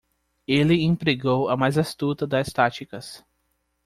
Ele empregou a mais astuta das táticas.